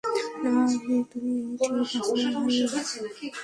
আহ, তুমি ঠিক আছো, হানি?